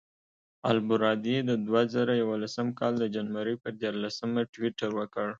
البرادعي د دوه زره یولسم کال د جنورۍ پر دیارلسمه ټویټر وکړ.